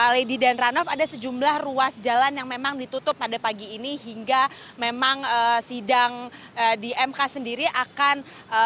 lady dan ranof ada sejumlah ruas jalan yang memang ditutup pada pagi ini hingga memang sidang di mk sendiri akan